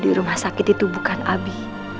di rumah sakit itu bukan abi